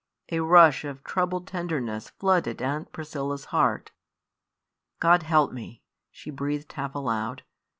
A rush of troubled tenderness flooded Aunt Priscilla's heart. "God help me!" she breathed half aloud.